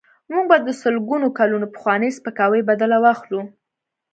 موږ به د سلګونو کلونو پخواني سپکاوي بدل واخلو.